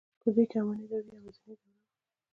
په دوی کې اماني دوره یوازنۍ دوره وه.